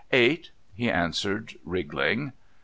"Eight," he answered, wriggling.